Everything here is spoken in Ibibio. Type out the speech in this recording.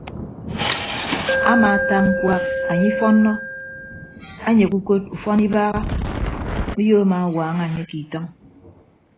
Amaata ñkuak anye ifọnnọ anyeghe ukod ufọn ibagha uyo amaawaaña anye ke itọñ.